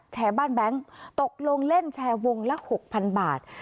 บ้านแบงค์ตกลงเล่นแชร์วงละ๖๐๐๐บาท